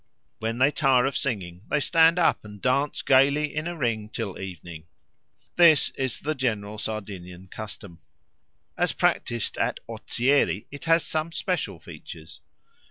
When they tire of singing they stand up and dance gaily in a ring till evening. This is the general Sardinian custom. As practised at Ozieri it has some special features.